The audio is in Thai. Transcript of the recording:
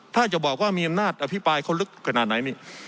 ถ้าจะบอกว่ามีอำนาจอภิปรายเขาลึกขนาดไหนนี่